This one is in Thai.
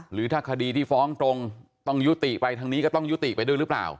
หรือถ้าคดีที่ฟ้องตรงต้องยุติไปทางนี้ก็ต้องยุติไปด้วยหรือเปล่า